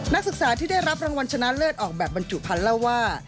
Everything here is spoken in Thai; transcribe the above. นักศึกษาที่ได้รับรางวัลชนะเลิศออกแบบบรรจุภัณฑ์เล่าว่า